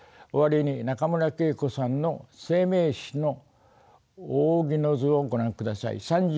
終わりに中村桂子さんの生命誌の扇の図をご覧ください。